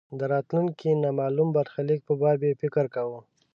د راتلونکې نامالوم برخلیک په باب یې فکر کاوه.